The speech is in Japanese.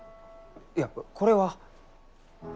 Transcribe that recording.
いやこれは。